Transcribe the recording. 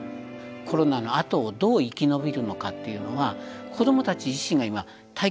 コロナのあとをどう生き延びるのかっていうのは子どもたち自身が今体験してるわけで。